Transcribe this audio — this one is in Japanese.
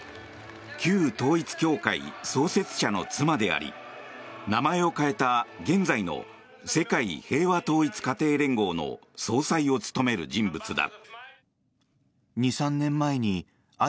旧統一教会創設者の妻であり名前を変えた現在の世界平和統一家庭連合の総裁を務める人物だ。